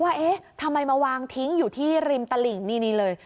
เอ๊ะทำไมมาวางทิ้งอยู่ที่ริมตลิ่งนี่เลย